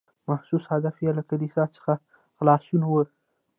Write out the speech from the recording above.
محسوس هدف یې له کلیسا څخه خلاصون و.